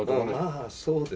まあそうですね。